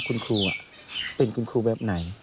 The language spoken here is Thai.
คุณครูเป็นคุณครูแบบไหน